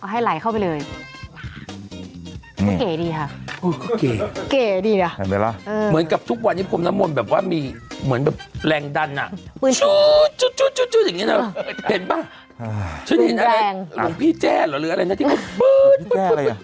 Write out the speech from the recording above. หรือพี่แจ้หรืออะไรนะที่มันปื๊ดปื๊ดปื๊ด